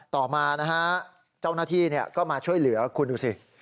ต่อมานะฮะเจ้าหน้าที่ก็มาช่วยเหลือคุณดูสิ